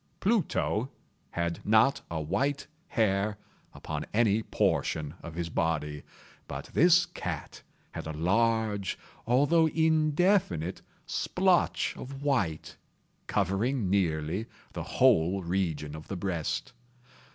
Pluto had not a white hair upon any portion of his body; but this cat had a large, although indefinite splotch of white, covering nearly the whole region of the breast.